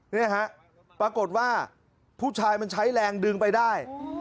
นี่ฮะปรากฏว่าผู้ชายมันใช้แรงดึงไปได้